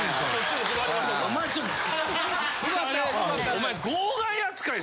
お前。